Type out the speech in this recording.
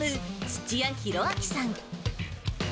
土屋宏明さん。